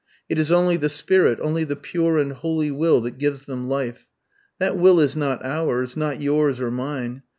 It is only the spirit, only the pure and holy will, that gives them life. That will is not ours not yours or mine.